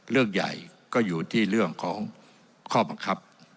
เรื่องใหญ่ก็อยู่ที่เรื่องของข้อบังคับ